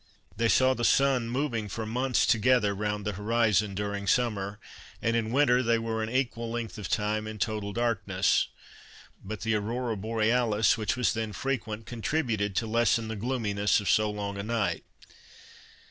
They saw the sun moving for months together round the horizon during summer, and in winter they were an equal length of time in total darkness; but the Aurora Borealis, which was then frequent, contributed to lessen the gloominess of so long a night.